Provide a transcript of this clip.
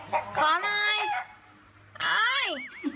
ขอหน่อย